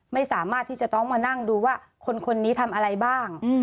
ไม่สามารถที่จะต้องมานั่งดูว่าคนนี้ทำอะไรบ้าง